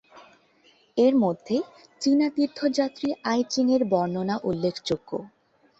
এর মধ্যে চীনা তীর্থ যাত্রী আই চিং এর বর্ণনা উল্লেখযোগ্য।